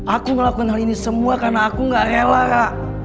aku melakukan hal ini semua karena aku gak rela kak